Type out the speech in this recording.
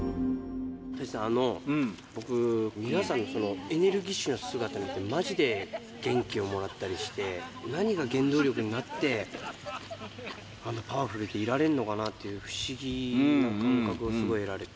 太一さん、僕、皆さんのエネルギッシュな姿を見て、まじで元気をもらったりして、何が原動力になって、パワフルでいられるのかなって、不思議な感覚をすごい得られて。